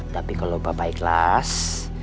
tapi kalau bapak ikhlas